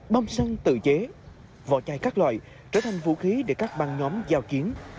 bom xăng tự chế vỏ chai các loại trở thành vũ khí để các băng nhóm giao chiến